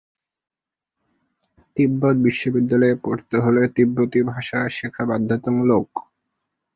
তিব্বত বিশ্ববিদ্যালয়ে পড়তে হলে তিব্বতি ভাষা শেখা বাধ্যতামূলক।